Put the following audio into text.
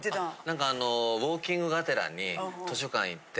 なんかあのウォーキングがてらに図書館行って。